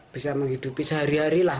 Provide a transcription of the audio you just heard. bisa menghidupi sehari hari lah